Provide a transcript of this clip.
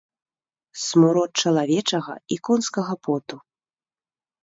Смурод чалавечага і конскага поту.